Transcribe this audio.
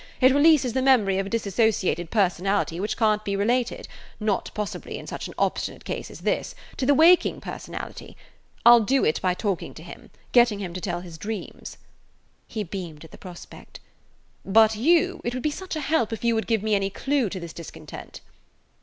It releases the memory of a dissociated personality which can't be related–not possibly in such an obstinate case as this–to the waking personality. I 'll do it by talking to him. Getting him to tell his dreams." He beamed at the prospect. "But you–it would be such a help if you would give me any clue to this discontent."